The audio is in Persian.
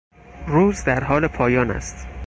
روز در حال پایان است.